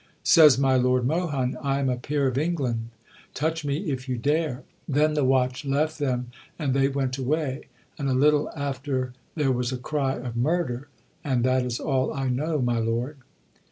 Says my Lord Mohun, "I am a peer of England touch me if you dare!" Then the watch left them, and they went away; and a little after there was a cry of "murder." And that is all I know, my lord.'